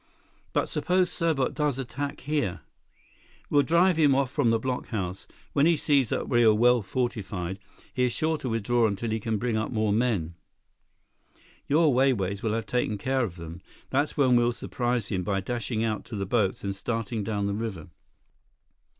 "But suppose Serbot does attack here?" "We'll drive him off from the blockhouse. When he sees that we are well fortified, he is sure to withdraw until he can bring up more men. Your Wai Wais will have taken care of them. That's when we'll surprise him by dashing out to the boats and starting down the river."